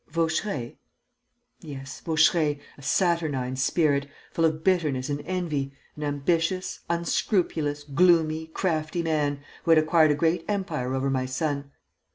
"Vaucheray?" "Yes, Vaucheray, a saturnine spirit, full of bitterness and envy, an ambitious, unscrupulous, gloomy, crafty man, who had acquired a great empire over my son.